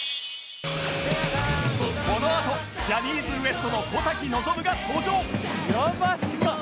このあとジャニーズ ＷＥＳＴ の小瀧望が登場！